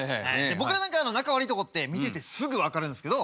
僕らなんか仲悪いとこって見ててすぐ分かるんですけど。